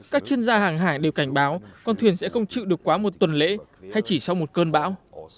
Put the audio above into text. các chuyên gia hàng hải đều cảnh báo con thuyền sẽ không chịu được quá một tuần lễ hay chỉ sau một cơn bão